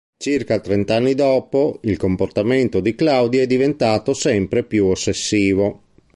Circa trent'anni dopo, il comportamento di Claudia è diventato sempre più ossessivo.